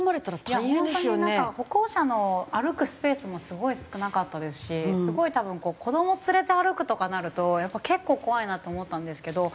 本当になんか歩行者の歩くスペースもすごい少なかったですしすごい多分子ども連れて歩くとかなるとやっぱ結構怖いなと思ったんですけど。